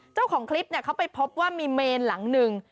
เจ้าของคลิปเขาไปพบว่ามีเมนหลังหนึ่ง